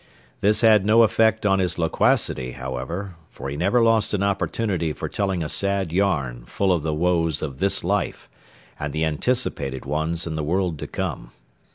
This had no effect on his loquacity, however, for he never lost an opportunity for telling a sad yarn full of the woes of this life and the anticipated ones in the world to come.